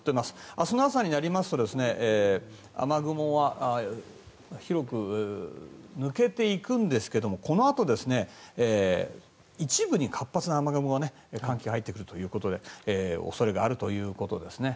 明日の朝になりますと雨雲は広く抜けていくんですがこのあと一部に活発な雨雲が寒気が入ってくるということで恐れがあるということですね。